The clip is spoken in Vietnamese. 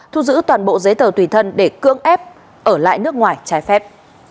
thu giữ toàn bộ giấy tờ tùy thân để cưỡng ép ở lại nước ngoài trái phép